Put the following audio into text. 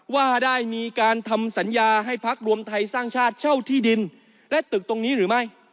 ว่าได้มีการทำสัญญาให้พักรวมไทยสร้างชาติเช่าที่ดินและตึกตรงนี้หรือไม่